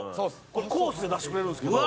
「これコースで出してくれるんですけど」